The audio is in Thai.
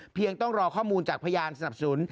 ยังต้องรอข้อมูลจากพยานสนับสนุน